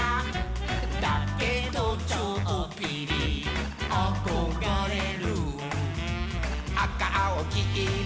「だけどちょっぴりあこがれる」「あかあおきいろ」